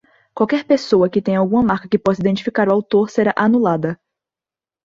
Qualquer pessoa que tenha alguma marca que possa identificar o autor será anulada.